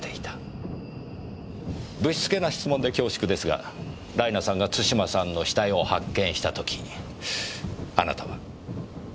不躾な質問で恐縮ですがライナさんが津島さんの死体を発見した時あなたは？